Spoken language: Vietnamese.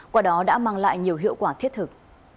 qua đó đã mang lại nhiều hiệu quả thiết thực